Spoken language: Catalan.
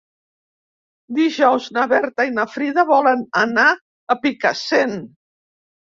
Dijous na Berta i na Frida volen anar a Picassent.